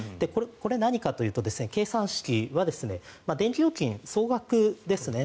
これ何かというと、計算式は電気料金、総額ですね